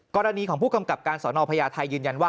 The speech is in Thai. กรณีของผู้กำกับการสอนอพญาไทยยืนยันว่า